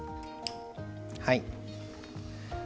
はい。